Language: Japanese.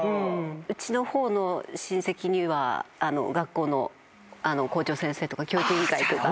うちのほうの親戚には学校の校長先生とか教育委員会とか。